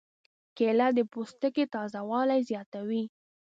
کېله د پوستکي تازه والی زیاتوي.